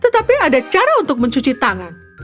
tetapi ada cara untuk mencuci tangan